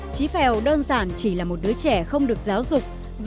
chí phèo đơn giản chỉ là một đứa trẻ không được giáo dục